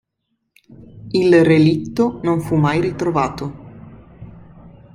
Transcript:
Il relitto non fu mai ritrovato.